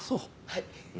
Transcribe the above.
はい。